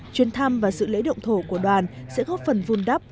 chuyến thăm và sự lễ động thổ của đoàn sẽ góp phần vun đắp